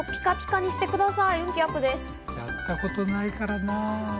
やったことないからなぁ。